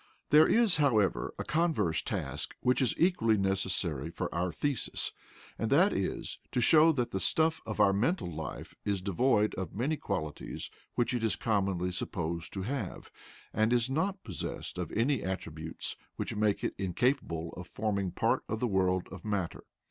There is, however, a converse task which is equally necessary for our thesis, and that is, to show that the stuff of our mental life is devoid of many qualities which it is commonly supposed to have, and is not possessed of any attributes which make it incapable of forming part of the world of matter.